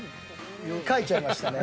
書いちゃいましたね。